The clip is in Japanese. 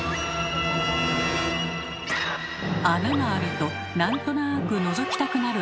穴があると何となくのぞきたくなるあなた。